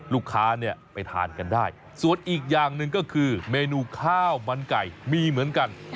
ลูกค้าเนี่ยไปทานกันได้ส่วนอีกอย่างหนึ่งก็คือเมนูข้าวมันไก่มีเหมือนกัน